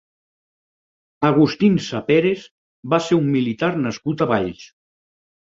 Agustín Saperes va ser un militar nascut a Valls.